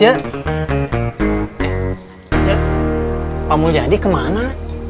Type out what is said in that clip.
eh c pak mulyadi kemana